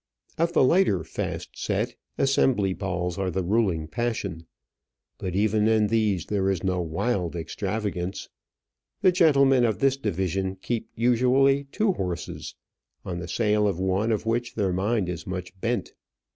Of the lighter fast set, assembly balls are the ruling passion; but even in these there is no wild extravagance. The gentlemen of this division keep usually two horses, on the sale of one of which their mind is much bent.